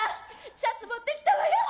シャツ持ってきたわよ。